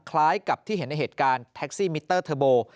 คล้ายกับที่เห็นในเหตุการณ์แท็กซี่มิเตอร์เทอร์โบ